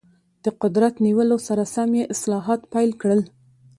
د قدرت نیولو سره سم یې اصلاحات پیل کړل.